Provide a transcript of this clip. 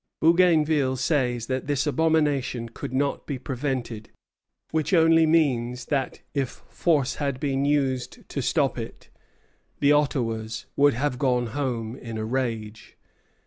Bougainville says that this abomination could not be prevented; which only means that if force had been used to stop it, the Ottawas would have gone home in a rage.